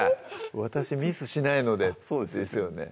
「私ミスしないので」ですよね